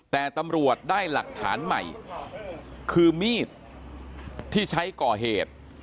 แต่ตำรวจได้หลักฐานใหม่คือมีดที่ใช้ก่อเหตุ